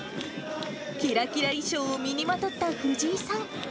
きらきら衣装を身にまとった藤井さん。